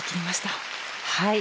はい。